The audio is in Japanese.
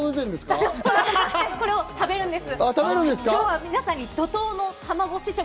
これを食べるんです！